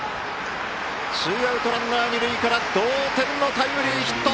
ツーアウト、ランナー、二塁から同点のタイムリーヒット！